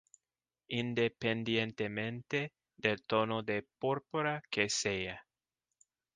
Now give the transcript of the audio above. independientemente del tono de púrpura que sea